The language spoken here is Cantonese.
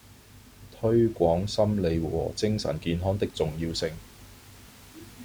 推廣心理和精神健康的重要性